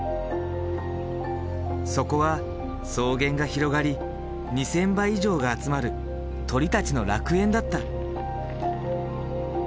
そこは草原が広がり２，０００羽以上が集まる鳥たちの楽園だった。